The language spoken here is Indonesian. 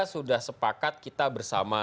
sudah sepakat kita bersama